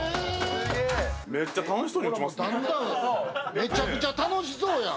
めちゃくちゃ楽しそうやん。